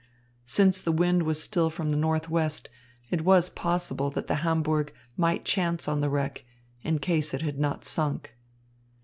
Since the wind was still from the northwest, it was possible that the Hamburg might chance on the wreck, in case it had not sunk.